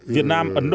việt nam ấn độ